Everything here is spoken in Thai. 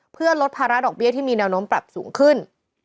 เพื่อลดภาระดอกเบี้ยที่มีแนวโน้มปรับสูงขึ้น